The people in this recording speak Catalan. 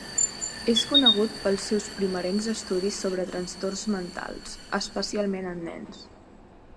És conegut pels seus primerencs estudis sobre trastorns mentals, especialment en nens.